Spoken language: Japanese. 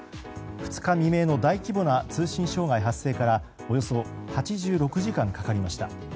２日未明の大規模な通信障害発生からおよそ８６時間かかりました。